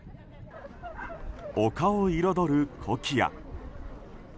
丘を彩るコキア。